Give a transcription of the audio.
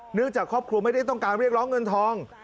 เนื่องจากครอบครัวไม่ได้ต้องการเรียกร้องเงินทอง